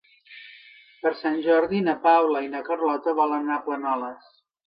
Per Sant Jordi na Paula i na Carlota volen anar a Planoles.